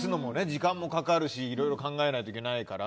時間もかかるしいろいろ考えないといけないから。